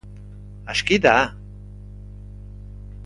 Aski da!